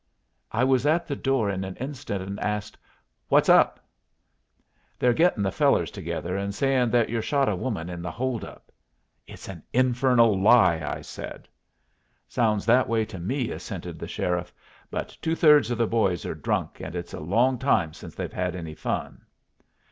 I was at the door in an instant, and asked, "What's up?" "They're gettin' the fellers together, and sayin' that yer shot a woman in the hold up." "It's an infernal lie," I said. "Sounds that way to me," assented the sheriff; "but two thirds of the boys are drunk, and it's a long time since they've had any fun."